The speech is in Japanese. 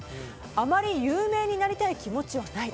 あまり有名になりたい気持ちはない。